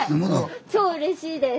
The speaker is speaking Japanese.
超うれしいです。